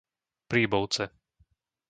Príbovce